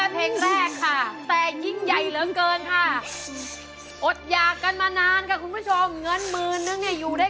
โปรดติดตามตอนต่อไป